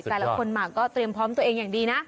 แต่ละคนมาก็เตรียมพร้อมตัวเองอย่างดีนะ